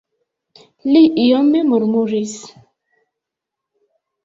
Li iome murmuris.